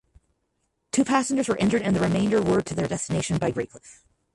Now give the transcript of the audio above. Two passengers were injured and the remainder were to their destination by "Greycliffe".